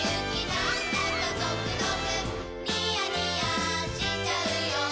なんだかゾクゾクニヤニヤしちゃうよ